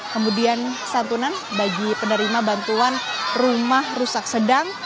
kemudian santunan bagi penerima bantuan rumah rusak sedang